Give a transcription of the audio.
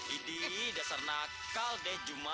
ini dasar nakal deh cuma